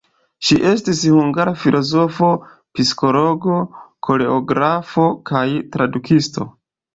Ŝi estis hungara filozofo, psikologo, koreografo kaj tradukisto.